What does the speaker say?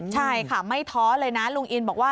ใช่ค่ะไม่ท้อเลยนะลุงอินบอกว่า